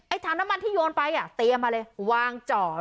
ถังน้ำมันที่โยนไปอ่ะเตรียมมาเลยวางเจาะ